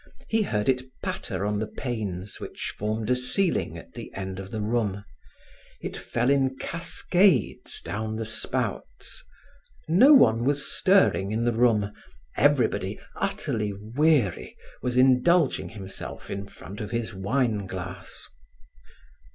He heard it patter on the panes which formed a ceiling at the end of the room; it fell in cascades down the spouts. No one was stirring in the room. Everybody, utterly weary, was indulging himself in front of his wine glass.